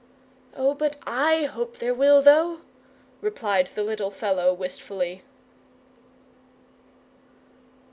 "Oh, but I hope there will, though!" replied the little fellow, wistfully.